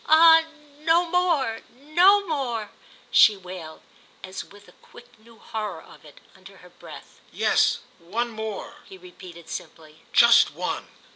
"Ah no more—no more!" she wailed, as with a quick new horror of it, under her breath. "Yes, one more," he repeated, simply; "just one!"